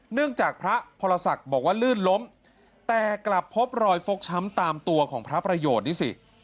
จากพระพรศักดิ์บอกว่าลื่นล้มแต่กลับพบรอยฟกช้ำตามตัวของพระประโยชน์นี่สิ